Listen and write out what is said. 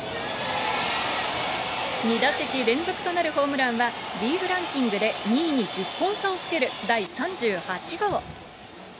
２打席連続となるホームランは、リーグランキングで２位に１０本差をつける第３８号。